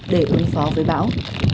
để ứng phó với báo